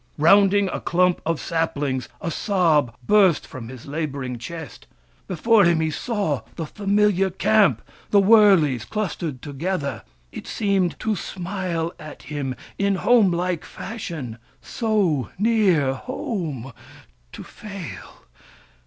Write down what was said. Rounding a clump of saplings, a sob burst from his labouring chest. Before him he saw the familiar camp, the wurleys clustered together ; it seemed to smile at him in home like fashion. So near home, to fail